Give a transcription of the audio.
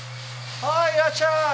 ああいらっしゃい。